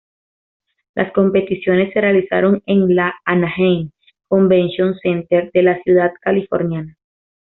Las competiciones se realizaron en el Anaheim Convention Center de la ciudad californiana.